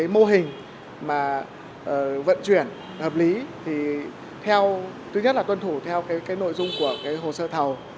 mô hình vận chuyển hợp lý tôi nhất là tuân thủ theo nội dung của hồ sơ thầu